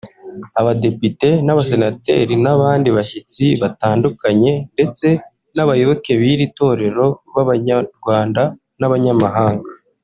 abadepite n’abasenateri n’abandi bashyitsi batandukanye ndetse n’abayoboke b’iri torero b’Abanyarwanda n’abanyamahanga